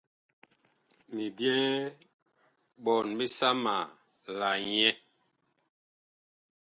Mi byɛɛ ɓɔɔn bisama la nyɛ.